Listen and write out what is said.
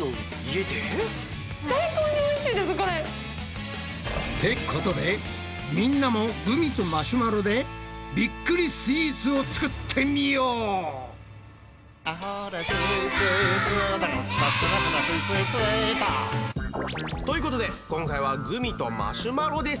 家で？ってことでみんなもグミとマシュマロでびっくりスイーツを作ってみよう！ということで今回はグミとマシュマロです。